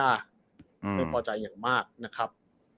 ไม่พอใจอย่างมากนะครับ